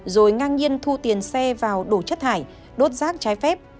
rồi ngang nhiên thu tiền xe vào đổ chất thải đốt rác trái phép